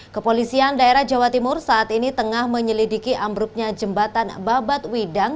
kepolisian daerah jawa timur saat ini tengah menyelidiki ambruknya jembatan babat widang